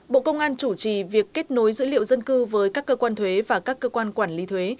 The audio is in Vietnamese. bộ công an chủ trì việc kết nối dữ liệu dân cư với các cơ quan thuế và các cơ quan quản lý thuế